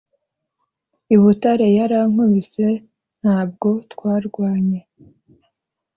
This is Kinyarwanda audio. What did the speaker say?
i Butare yarankubise ntabwo twarwanye